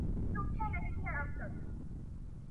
کرداري صفتونه د انسان وقار لوړوي.